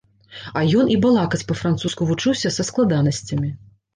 А ён і балакаць па-французску вучыўся са складанасцямі!